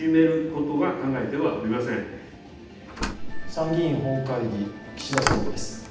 参議院本会議、岸田総理です。